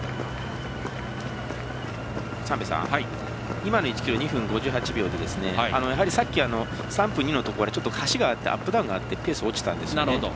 今の１ｋｍ２分５８秒でやはりさっき、３分２のところで橋があってアップダウンがあってペース落ちたんですよね。